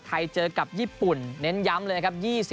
เจอกับญี่ปุ่นเน้นย้ำเลยนะครับ